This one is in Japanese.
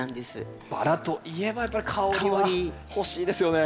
バラといえばやっぱり香りは欲しいですよね。